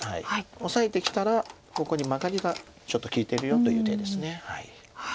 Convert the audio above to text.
オサえてきたらここにマガリがちょっと利いてるよという手です。